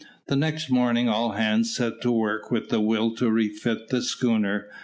The next morning all hands set to work with a will to refit the schooner.